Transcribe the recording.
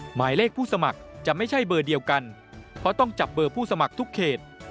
หมายเลขผู้สมัครจะไม่ใช่เบอร์เดียวกันเพราะต้องจับเบอร์ผู้สมัครทุกเขต